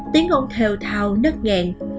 tiếng ông thèo thào nất nghẹn